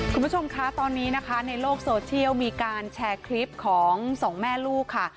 คุณผู้ชมคะตอนนี้นะคะในโลกโซเชียลมีการแชร์คลิปของสองแม่ลูกค่ะ